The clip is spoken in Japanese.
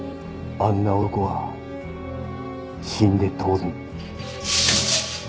あんな男は死んで当然だ。